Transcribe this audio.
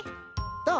どう？